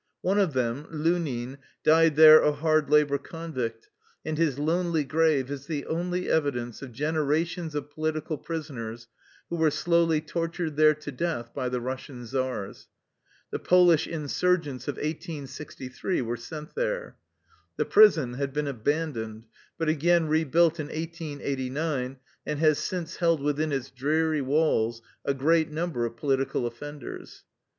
One of them, Lunin, died there a hard labor convict, and his lonely grave is the only evidence of gen erations of political prisoners who were slowly tortured there to death by the Russian czars. The Polish insurgents of 1863 were sent there. The prison had been abandoned, but again re built in 1889 and has since held within its dreary walls a great number of political of fenders.